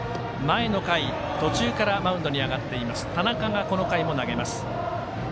前の回、途中からマウンドに上がっている田中がこの回も投げます。